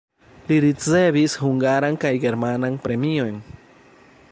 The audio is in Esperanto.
Li ricevis hungaran kaj germanan premiojn.